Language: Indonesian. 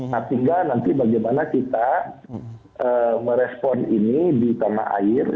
hingga nanti bagaimana kita merespon ini di tanah air